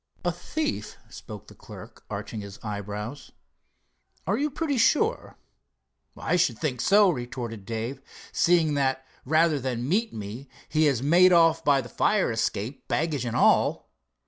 "A thief?" spoke the clerk, arching his eyebrows. "Are you pretty sure?" "I should think so," retorted Dave, "seeing that, rather than meet me, he has made off by the fire escape, baggage and all."